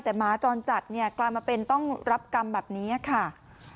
แต่หมาจรจัดเนี่ยกลายมาเป็นต้องรับกรรมแบบนี้ค่ะ